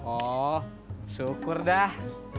oh syukur dah